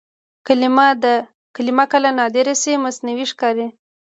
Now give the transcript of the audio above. کلمه که نادره شي مصنوعي ښکاري.